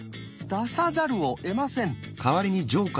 出さざるをえません。